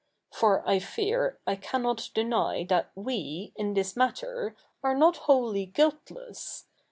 For I fear I cannot deny that we, in this matter, are not wholly guiltless.